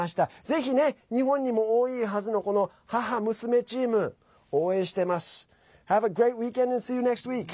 ぜひね、日本にも多いはずの母娘チーム、応援してます！